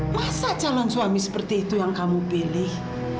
masa calon suami seperti itu yang kamu pilih